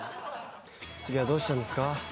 次はどうしたんですか？